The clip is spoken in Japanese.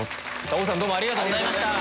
王さんありがとうございました。